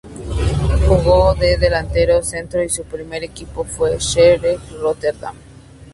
Jugó de delantero centro y su primer equipo fue el Xerxes Rotterdam.